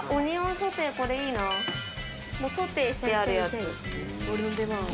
ソテーしてあるやつ。